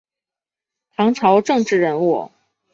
唐朝政治人物。